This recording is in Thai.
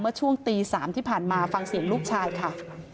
เมื่อช่วงตี๓ที่ผ่านมาฟังเสียงลูกชายค่ะ